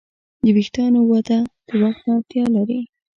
د وېښتیانو وده وخت ته اړتیا لري.